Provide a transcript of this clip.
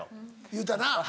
言うてたな。